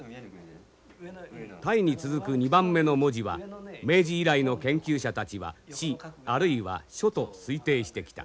「泰」に続く２番目の文字は明治以来の研究者たちは「始」あるいは「初」と推定してきた。